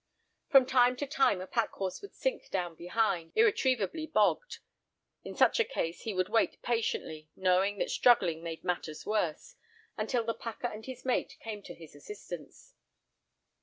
From time to time a pack horse would sink down behind, irretrievably bogged. In such a case he would wait patiently, knowing that struggling made matters worse, until the packer and his mate came to his assistance.